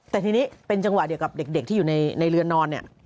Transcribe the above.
แต่ทีนี้เป็นจังหวะเดียวกับเด็กที่อยู่ในเรือนนอนเนี่ย